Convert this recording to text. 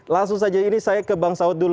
langsung saja ini saya ke bang saud dulu